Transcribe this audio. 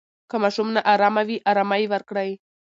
که ماشوم نا آرامه وي، آرامۍ ورکړئ.